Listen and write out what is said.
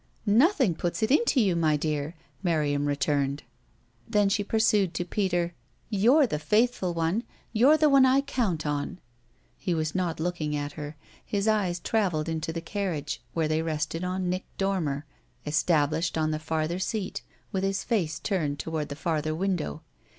"Nothing puts it into you, my dear!" Miriam returned. Then she pursued to Peter: "You're the faithful one you're the one I count on." He was not looking at her; his eyes travelled into the carriage, where they rested on Nick Dormer, established on the farther seat with his face turned toward the farther window.